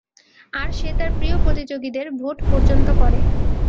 আর সে তার প্রিয় প্রতিযোগীদের ভোট পর্যন্ত করে।